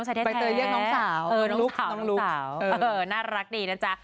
จิมไปเตยากับน้องสาวลุกเออน่ารักดีนะจ๊ะ